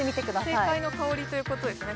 正解の香りということですね